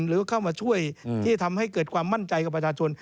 หรือเข้ามาช่วยที่ทำให้เกิดความมั่นใจกับประชาชน